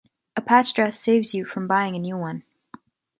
A patched dress saves you from buying a new one.